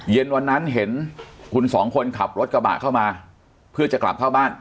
เย็นวันนั้นเห็นคุณสองคนขับรถกระบะเข้ามาเพื่อจะกลับเข้าบ้าน